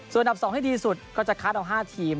ส่วนอันดับ๒ให้ดีสุดก็จะคัดเอา๕ทีม